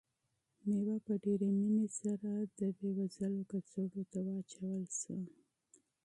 مېوه په ډېرې مینې سره د غریبانو کڅوړو ته واچول شوه.